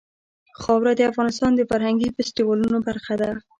خاوره د افغانستان د فرهنګي فستیوالونو برخه ده.